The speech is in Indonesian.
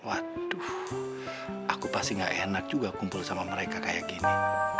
waduh aku pasti gak enak juga kumpul sama mereka kayak gini